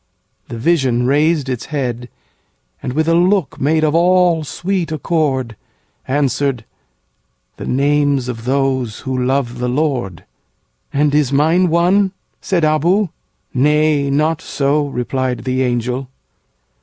'—The vision raised its head, And, with a look made of all sweet accord, Answered, 'The names of those who love the Lord.''And is mine one?' said Abou. 'Nay, not so,'Replied the angel.